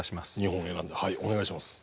はいお願いします。